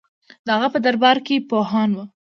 د هغه په دربار کې پوهان وو